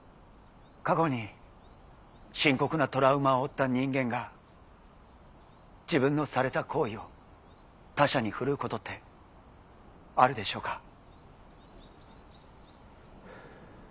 過去に深刻なトラウマを負った人間が自分のされた行為を他者に振るうことってあるでしょうか？